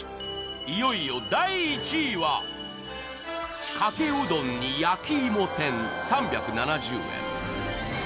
いよいよ第１位はかけうどんに焼き芋天３７０円